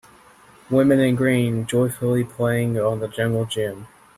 Women in green joyfully playing on the jungle gym.